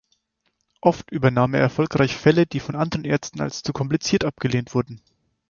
Oft übernahm er erfolgreich Fälle, die von anderen Ärzten als zu kompliziert abgelehnt wurden.